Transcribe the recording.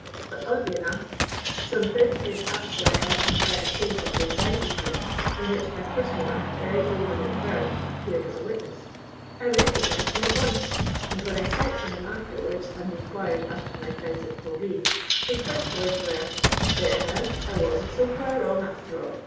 But, oddly enough, some thirty years after I had to try a case at the Assizes here, in which Archelaus Warne (very old and infirm) appeared as a witness, I recognised him at once, and, when I sent for him afterwards and inquired after my friends at Polreen, his first words were, 'There now I wasn' so far wrong, after all!